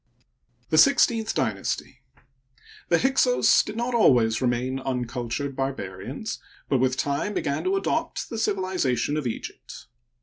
The Sixteenth Dynasty. — The Hyksos did not always remain uncultured barbarians, but with time began to adopt the civilization of Eg^pt.